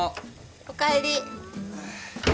おかえり。